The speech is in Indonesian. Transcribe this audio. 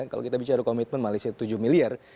kalau kita bicara komitmen malaysia tujuh miliar